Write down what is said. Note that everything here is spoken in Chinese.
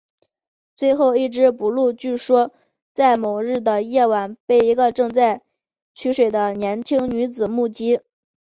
最后一只布鲁据说是在某日的夜晚被一个正在取水的年轻女子目击的。